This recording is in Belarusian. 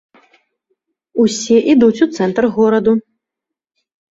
Усе ідуць у цэнтр гораду.